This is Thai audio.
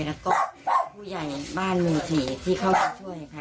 และก็ผู้ใหญ่บ้านมือถี่ที่เข้ามาช่วยค่ะ